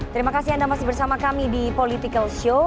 terima kasih anda masih bersama kami di politikalshow